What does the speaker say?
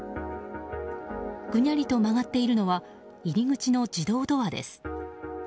ぐにゃりと曲がっているのは入り口の自動ドアです。